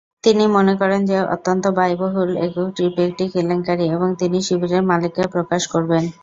তিনি মনে করেন যে অত্যন্ত ব্যয়বহুল একক ট্রিপ একটি কেলেঙ্কারী এবং তিনি শিবিরের মালিককে প্রকাশ করবেন।